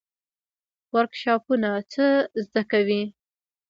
ورکشاپونه څه زده کوي؟